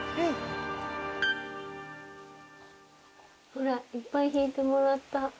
ほらいっぱいひいてもらった。